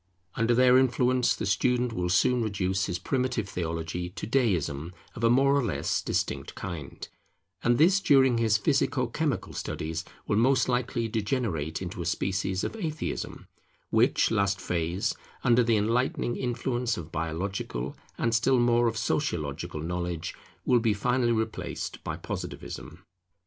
Under their influence the student will soon reduce his primitive theology to Deism of a more or less distinct kind; and this during his physico chemical studies will most likely degenerate into a species of Atheism; which last phase, under the enlightening influence of biological and still more of sociological knowledge, will be finally replaced by Positivism.